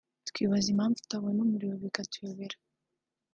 Twibaza impamvu tutabona umuriro bikatuyobera